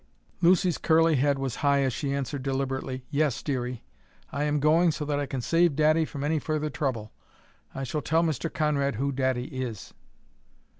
Lucy's curly head was high as she answered deliberately: "Yes, Dearie! I am going so that I can save daddy from any further trouble. I shall tell Mr. Conrad who daddy is."